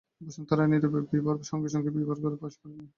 বসন্ত রায় নীরবে বিভার সঙ্গে সঙ্গে বিভার ঘরে প্রবেশ করিলেন।